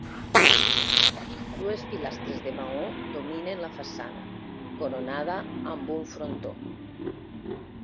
Dues pilastres de maó dominen la façana, coronada amb un frontó.